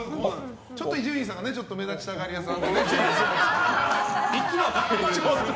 ちょっと伊集院さんが目立ちたがり屋さんでね。